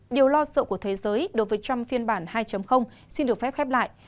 điều lo sợ của thế giới đối với trong phiên bản hai xin được phép khép lại